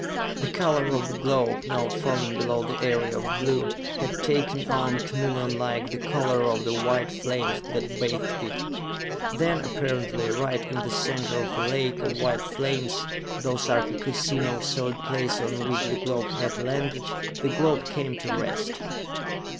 The color of the globe, now fallen below the area of blue, had taken on, chameleonlike, the color of the white flames that bathed it. Then, apparently right in the center of a lake of white flames, though Sarka could see no solid place on which the globe had landed, the globe came to rest.